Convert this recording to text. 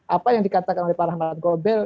apa yang dikatakan oleh para anggota goreng